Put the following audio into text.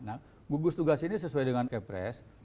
nah gugus tugas ini sesuai dengan kepres